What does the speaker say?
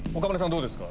どうですか？